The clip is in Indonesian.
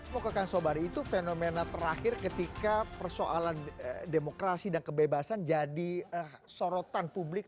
pokoknya sobari itu fenomena terakhir ketika persoalan demokrasi dan kebebasan jadi sorotan publik